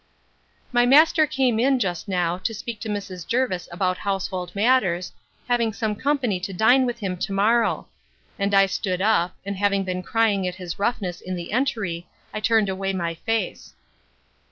My master came in, just now, to speak to Mrs. Jervis about household matters, having some company to dine with him to morrow; and I stood up, and having been crying at his roughness in the entry, I turned away my face.